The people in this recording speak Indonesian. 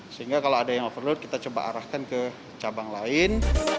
sehingga kalau ada yang overload kita coba arahkan ke cabang lain